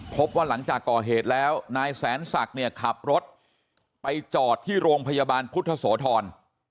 พบว่าหลังจากก่อเหตุแล้วนายแสนศักดิ์เนี่ยขับรถไปจอดที่โรงพยาบาลพุทธโสธร